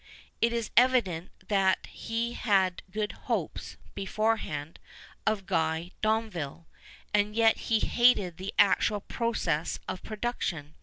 It is evident that he had good hopes, beforehand, of Guy Domville. And yet he hated the actual process of production.